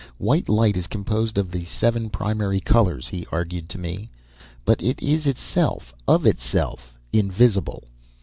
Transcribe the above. "White light is composed of the seven primary colors," he argued to me. "But it is itself, of itself, invisible.